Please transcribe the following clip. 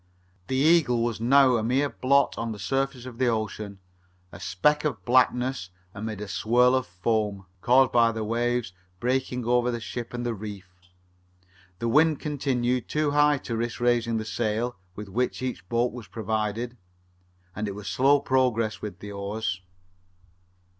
The Eagle was now a mere blot on the surface of the ocean a speck of blackness amid a swirl of foam, caused by the waves breaking over the ship and the reef. The wind continued too high to risk raising the sail with which each boat was provided, and it was slow progress with the oars.